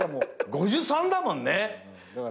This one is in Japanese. ５３だもんね。